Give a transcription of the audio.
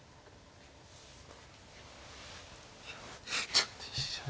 ちょっと飛車。